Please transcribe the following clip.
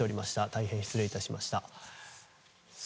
大変、失礼致しました。